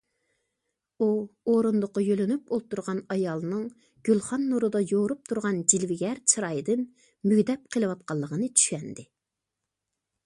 ئۇ ئورۇندۇققا يۆلىنىپ ئولتۇرغان ئايالنىڭ گۈلخان نۇرىدا يورۇپ تۇرغان جىلۋىگەر چىرايىدىن مۈگدەپ قېلىۋاتقانلىقىنى چۈشەندى.